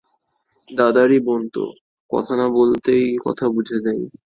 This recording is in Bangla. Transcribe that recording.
দাদারই বোন তো, কথা না বলতেই কথা বুঝে নেয়।